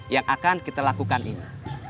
yang akan kita lakukan ini